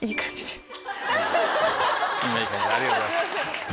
ありがとうございます。